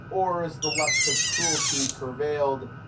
Or, as the lust of cruelty prevailed.